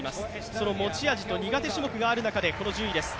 その持ち味と苦手種目がある中でこの順位です。